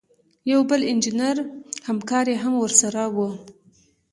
یو بل انجینر همکار یې هم ورسره و.